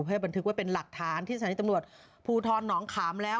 บันทึกไว้เป็นหลักฐานที่สถานีตำรวจภูทรหนองขามแล้ว